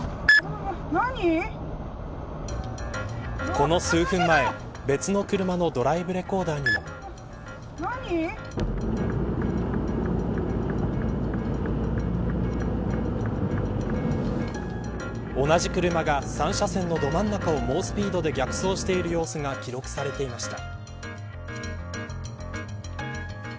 この数分前別の車のドライブレコーダーにも同じ車が３車線のど真ん中を猛スピードで逆走している様子が記録されていました。